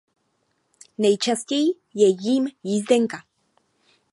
Nejčastěji je jím jízdenka.